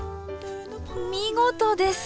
見事です。